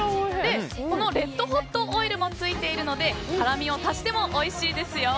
レッドホットオイルもついているので辛味を足してもおいしいですよ。